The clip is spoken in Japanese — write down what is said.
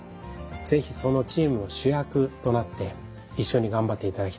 是非そのチームの主役となって一緒に頑張っていただきたいと思います。